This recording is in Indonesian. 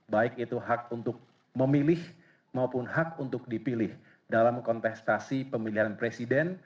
baik itu hak untuk memilih maupun hak untuk dipilih dalam kontestasi pemilihan presiden